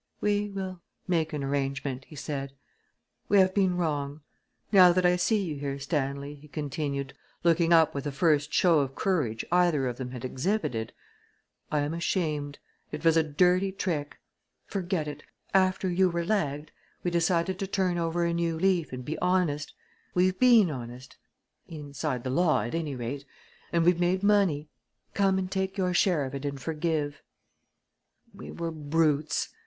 "We will make an arrangement," he said. "We have been wrong. Now that I see you here, Stanley," he continued, looking up with the first show of courage either of them had exhibited, "I am ashamed! It was a dirty trick! Forget it! After you were lagged we decided to turn over a new leaf and be honest. We've been honest inside the law, at any rate and we've made money. Come and take your share of it and forgive!" "We were brutes!"